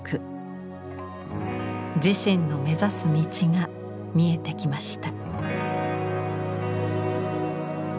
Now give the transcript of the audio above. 自身の目指す道が見えてきました。